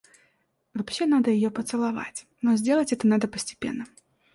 Вообще надо её поцеловать, но сделать это надо постепенно.